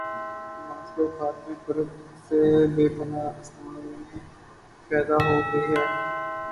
نمازکے اوقات میں فرق سے بے پناہ آسانی پیدا ہوگئی ہے۔